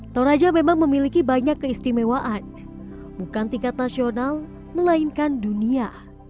toraja memang memiliki banyak keistimewaan bukan tingkat nasional melainkan dunia